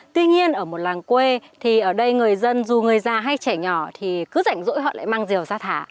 tuy nhiên ở một làng quê thì ở đây người dân dù người già hay trẻ nhỏ thì cứ rảnh rỗi họ lại mang rìu ra thả